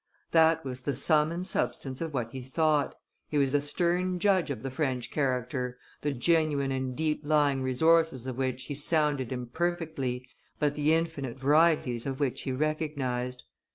That was the sum and substance of what he thought; he was a stern judge of the French character, the genuine and deep lying resources of which he sounded imperfectly, but the infinite varieties of which he recognized.